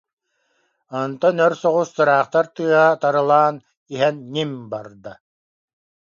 Онтон өр соҕус тыраахтар тыаһа тары- лаан иһэн «ньим» барда